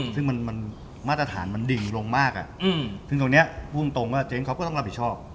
ซึ่งมันมาตรฐานมันดิ่งลงมากซึ่งตรงนี้พูดตรงว่าเจ๊งเขาก็ต้องรับผิดชอบ